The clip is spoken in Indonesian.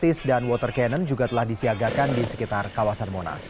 artis dan water cannon juga telah disiagakan di sekitar kawasan monas